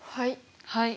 はい。